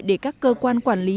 để các cơ quan quản lý